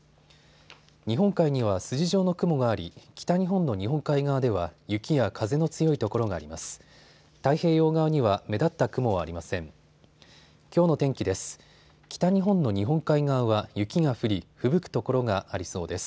日本海には筋状の雲があり北日本の日本海側では雪や風の強い所があります。